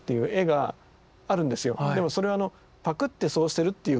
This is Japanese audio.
でもそれはパクってそうしてるっていうことで。